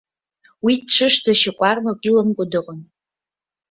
Уи дцәышӡа, шьакәармак иламкәа дыҟан.